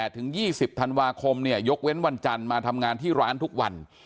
ถึง๒๐ธันวาคมยกเว้นวันจันทร์มาทำงานที่ร้านทุกวัน